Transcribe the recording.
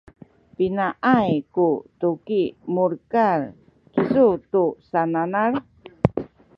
pinaay ku tuki mulekal kisu tu sananal?